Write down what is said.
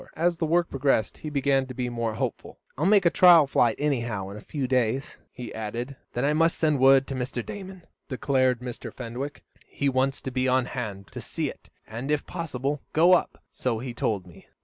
As the work progressed, he began to be more hopeful. "I'll make a trial flight, anyhow, in a few days," he added. "Then I must send word to Mr. Damon," decided Mr. Fenwick. "He wants to be on hand to see it, and, if possible, go up; so he told me."